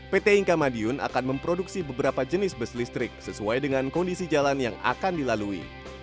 pt inka madiun akan memproduksi beberapa jenis bus listrik sesuai dengan kondisi jalan yang akan dilalui